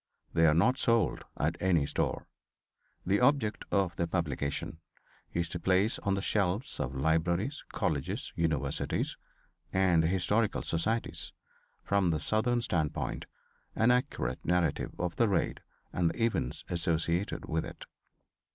They are not sold at any store. The object of || the publication is to place on the shelves of Libraries, || Colleges, Universities and Historical societies, from the || southern standpoint, an accurate narrative of the raid, and || the events associated with it.